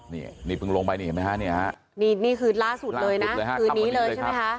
นี้คือล่าสุดเลยนะคือนี้เลยใช่ไหมคะ